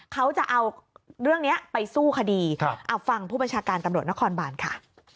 เขาจะเอาเรื่องนี้ไปสู้คดีเอาฟังผู้บัญชาการตำรวจนครบานค่ะ